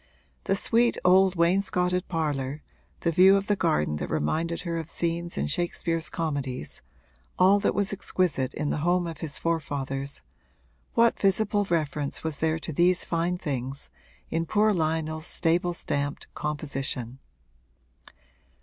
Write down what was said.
The sweet old wainscoted parlour, the view of the garden that reminded her of scenes in Shakespeare's comedies, all that was exquisite in the home of his forefathers what visible reference was there to these fine things in poor Lionel's stable stamped composition?